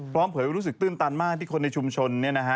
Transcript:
เผยว่ารู้สึกตื้นตันมากที่คนในชุมชน